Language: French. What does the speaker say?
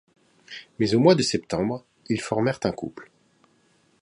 Mais au mois de septembre, ils formèrent un couple.